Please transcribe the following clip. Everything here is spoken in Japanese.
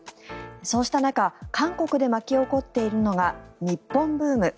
そうした中韓国で巻き起こっているのが日本ブーム。